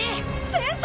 先生！